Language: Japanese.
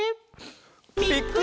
「ぴっくり！